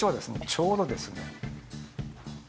ちょうどですね。